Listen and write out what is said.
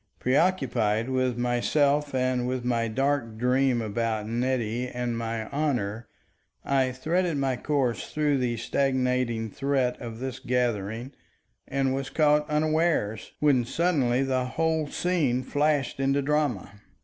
Preoccupied with myself and with my dark dream about Nettie and my honor, I threaded my course through the stagnating threat of this gathering, and was caught unawares, when suddenly the whole scene flashed into drama.